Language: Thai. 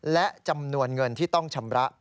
และจำนวนเงินที่ต้องชำระ